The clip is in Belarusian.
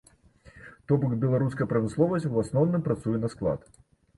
То бок, беларуская прамысловасць у асноўным працуе на склад.